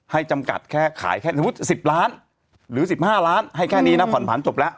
ให้จำกัดแค่ขาย๑๐ล้านหรือ๑๕ล้านให้แค่นี้น่ะผ่อนผันจบแล้ว